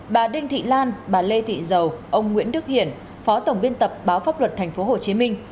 bà đinh thị lan bà lê thị dầu ông nguyễn đức hiển phó tổng biên tập báo pháp luật tp hcm